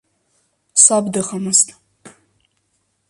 Саб дыҟамызт.